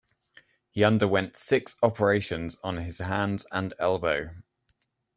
He underwent six operations on his hands and elbow.